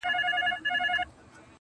پر خپل کور به د مرګي لاري سپرې کړي،